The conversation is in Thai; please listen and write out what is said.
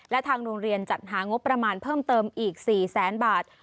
และทางโรงเรียนจัดหางบประมาณเพิ่มเติมอีก๔แสนบาท